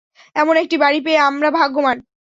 এমন একটি বাড়ি পেয়ে আমরা ভাগ্যবান।